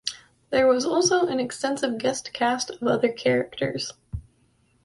There was also an extensive guest cast of other characters.